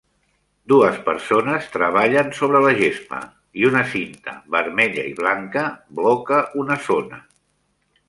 Dues persones treballen sobre la gespa i una cinta vermella i blanca bloca una zona.